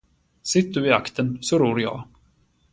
Sitt du i aktern, så ror jag.